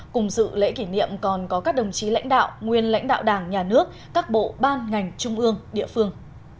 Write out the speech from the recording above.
cùng dự lễ kỷ niệm còn có các đồng chí lãnh đạo nguyên lãnh đạo đảng nhà nước các bộ ban ngành trung ương địa phương